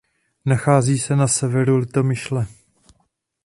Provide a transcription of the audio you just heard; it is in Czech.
Nachází se na severu Litomyšle.